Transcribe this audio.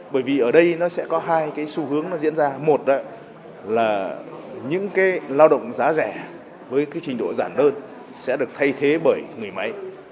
bởi vì ở đây nó sẽ có hai cái xu hướng nó diễn ra một là những cái lao động giá rẻ với cái trình độ giản đơn sẽ được thay thế bởi người máy